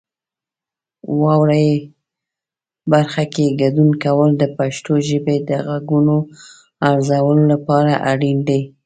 واورئ برخه کې ګډون کول د پښتو ژبې د غږونو ارزولو لپاره اړین دي.